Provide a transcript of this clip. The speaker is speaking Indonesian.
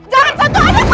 jangan sentuh anakku